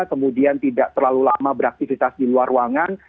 kemudian tidak terlalu lama beraktivitas di luar ruangan